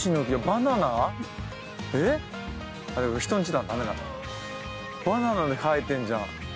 バナナ生えてんじゃん。